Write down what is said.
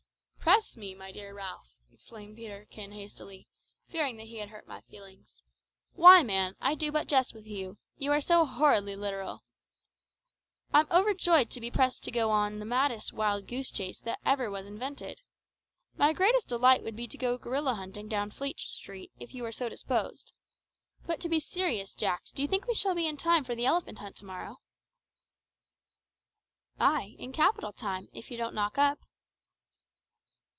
"Press me, my dear Ralph!" exclaimed Peterkin hastily, fearing that he had hurt my feelings; "why, man, I do but jest with you you are so horridly literal. I'm overjoyed to be pressed to go on the maddest wild goose chase that ever was invented. My greatest delight would be to go gorilla hunting down Fleet Street, if you were so disposed. But to be serious, Jack, do you think we shall be in time for the elephant hunt to morrow?" "Ay, in capital time, if you don't knock up."